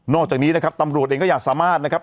จากนี้นะครับตำรวจเองก็อยากสามารถนะครับ